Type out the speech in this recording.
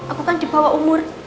aku kan di bawah umur